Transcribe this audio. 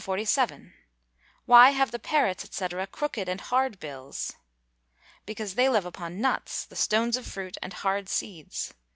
Why have the parrots, &c., crooked and hard bills? Because they live upon nuts, the stones of fruit, and hard seeds.